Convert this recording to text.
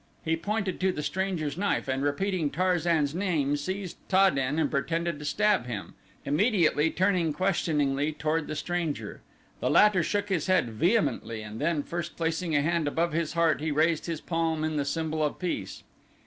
He pointed to the stranger's knife, and repeating Tarzan's name, seized Ta den and pretended to stab him, immediately turning questioningly toward the stranger. The latter shook his head vehemently and then first placing a hand above his heart he raised his palm in the symbol of peace.